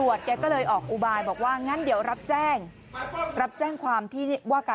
มึงสอดซุดมามึงสอดซุดมามึงกูกูนี่มา